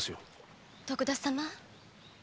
徳田様